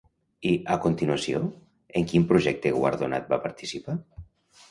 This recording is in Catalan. I, a continuació, en quin projecte guardonat va participar?